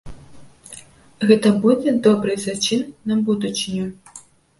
Гэта будзе добры зачын на будучыню.